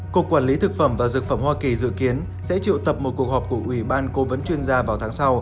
cục quản lý thực phẩm và dược phẩm hoa kỳ dự kiến sẽ triệu tập một cuộc họp của ủy ban cố vấn chuyên gia vào tháng sau